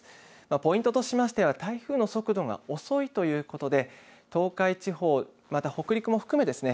ポイントとしましては台風の速度が遅いということで東海地方また北陸も含めですね